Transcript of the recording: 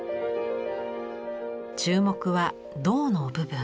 注目は胴の部分。